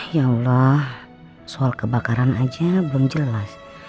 ya allah soal kebakaran aja belum jelas